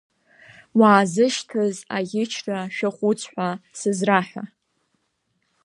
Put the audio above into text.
Уаазышьҭыз аӷьычра шәаҟәыҵ ҳәа сызраҳәа!